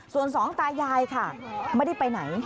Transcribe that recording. ส่วนสองตายายค่ะไม่ได้ไปไหน